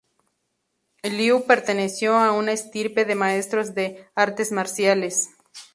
Liu perteneció a una estirpe de maestros de artes marciales.